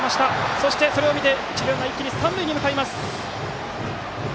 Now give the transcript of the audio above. そして、それを見て一塁ランナーは三塁へ向かいます。